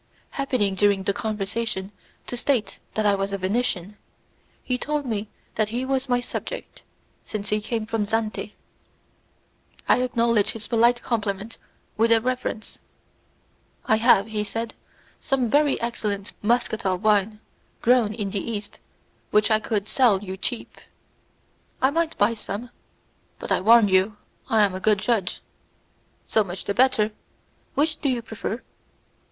Happening during the conversation to state that I was a Venetian, he told me that he was my subject, since he came from Zante. I acknowledged his polite compliment with a reverence. "I have," he said, "some very excellent muscatel wine grown in the East, which I could sell you cheap." "I might buy some, but I warn you I am a good judge." "So much the better. Which do you prefer?"